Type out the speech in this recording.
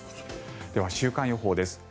では、週間予報です。